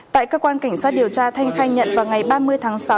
tại cơ quan cảnh sát điều tra thanh khai nhận vào ngày ba mươi tháng sáu